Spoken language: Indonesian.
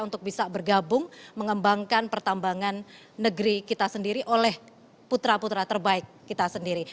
untuk bisa bergabung mengembangkan pertambangan negeri kita sendiri oleh putra putra terbaik kita sendiri